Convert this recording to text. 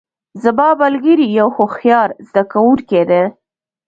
زما ملګری یو هوښیار زده کوونکی ده